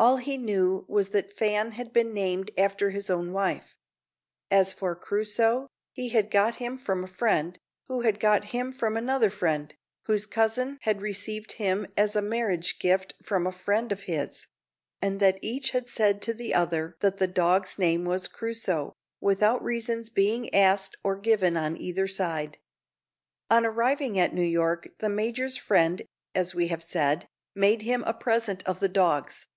All he knew was that Fan had been named after his own wife. As for Crusoe, he had got him from a friend, who had got him from another friend, whose cousin had received him as a marriage gift from a friend of his; and that each had said to the other that the dog's name was "Crusoe," without reasons being asked or given on either side. On arriving at New York the major's friend, as we have said, made him a present of the dogs.